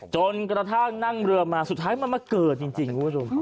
จนกระทั่งนั่งเรือมาสุดท้ายมันมาเกิดจริงคุณผู้ชม